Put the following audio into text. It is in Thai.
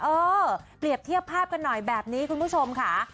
เออเปรียบเทียบภาพกันหน่อยแบบนี้คุณผู้ชมค่ะ